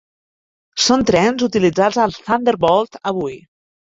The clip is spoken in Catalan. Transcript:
Són trens utilitzats al Thunderbolt avui.